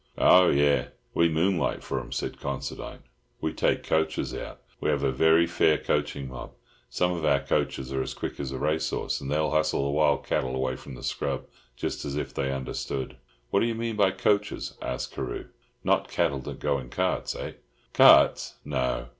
"Oh, yes, we moonlight for 'em." said Considine. "We take coachers out. We have a very fair coaching mob. Some of our coachers are as quick as racehorses, and they'll hustle wild cattle away from the scrub just as if they understood." "What do you mean by coachers?" asked Carew. "Not cattle that go in carts, eh?" "Carts, no.